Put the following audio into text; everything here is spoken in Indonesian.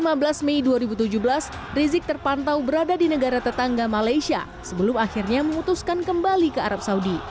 pada lima belas mei dua ribu tujuh belas rizik terpantau berada di negara tetangga malaysia sebelum akhirnya memutuskan kembali ke arab saudi